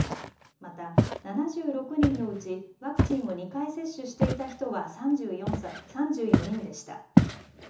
また、７６人のうちワクチンを２回接種していた人は３４人でした。